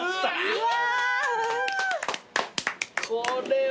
うわ。